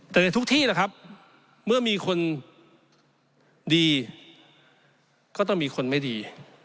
แต่ในทุกที่แหละครับเมื่อมีคนดีก็ต้องมีคนไม่ดี